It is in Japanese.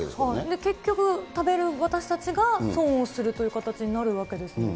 結局、食べる私たちが損をするという形になるわけですもんね。